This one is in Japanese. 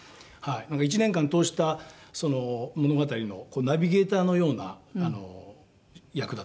１年間通したその物語のナビゲーターのような役だったので。